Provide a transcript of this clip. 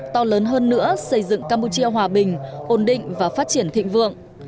to lớn hơn nữa xây dựng campuchia hòa bình ổn định và phát triển thịnh vượng